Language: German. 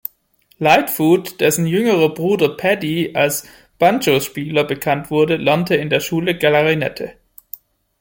Lightfoot, dessen jüngerer Bruder Paddy als Banjospieler bekannt wurde, lernte in der Schule Klarinette.